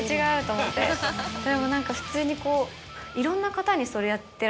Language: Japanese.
それも何か普通にこう。